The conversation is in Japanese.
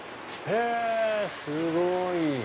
へぇすごい！